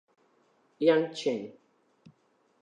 Yang Chen